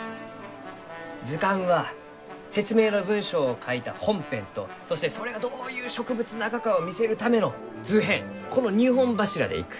図鑑は説明の文章を書いた本編とそしてそれがどういう植物ながかを見せるための図編この２本柱でいく。